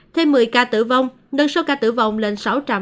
thêm một mươi ca tử vong nâng số ca tử vong lên sáu trăm năm mươi năm